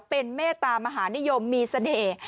เป็นเมตตามหานิยมมีเสน่ห์